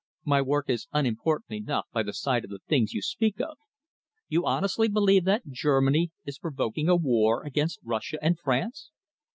"My work is unimportant enough by the side of the things you speak of. You honestly believe that Germany is provoking a war against Russia and France?"